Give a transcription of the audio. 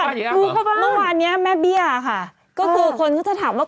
เมื่อวานนี้แม่เบี้ยค่ะก็คือคนที่จะถามว่า